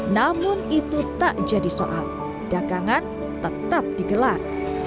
namun itu tak jadi soal dagangan tetap digelar